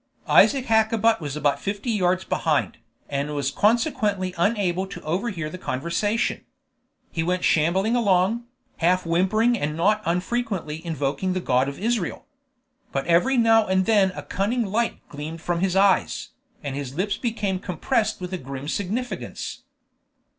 Isaac Hakkabut was about fifty yards behind, and was consequently unable to overhear the conversation. He went shambling along, half whimpering and not unfrequently invoking the God of Israel; but every now and then a cunning light gleamed from his eyes, and his lips became compressed with a grim significance.